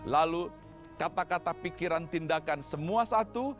lalu kata kata pikiran tindakan semua satu